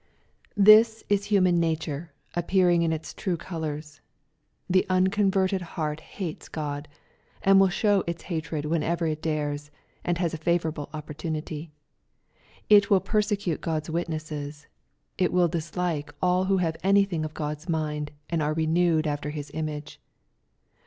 This is human nature appearing in its true colors. The unconverted heart hates God, and will show its hatred whenever it dares, and has a favorable opportunity. It will persecute God's witnesses. It will dislike all who have anything of God's mind, and are renewed after Hi» image.